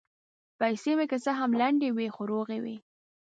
پیسې مې که څه هم لندې وې، خو روغې وې.